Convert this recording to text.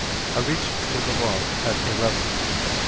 I reached Bougival at eleven.